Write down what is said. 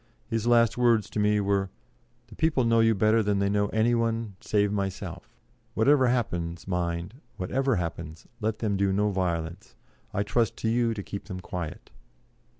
His last words to me were: "The people know you better than they know any one, save myself; whatever happens, mind, whatever happens, let them do no violence; I trust to you to keep them quiet."